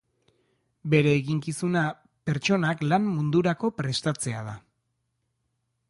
Bere eginkizuna pertsonak lan mundurako prestatzea da.